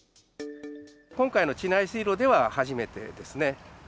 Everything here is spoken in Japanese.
今回の地内水路では初めてですね。